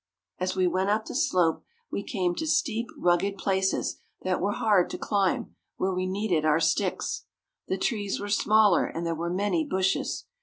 As we went up the slope, we came to steep, rugged places that were hard to climb, where we needed our sticks. The trees were smaller, and there were many bushes.